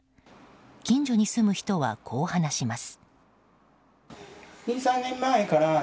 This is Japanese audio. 近所に住む人はこう話します。